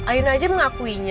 tuh ayuna aja mengakuinya